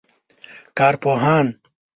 کارپوهان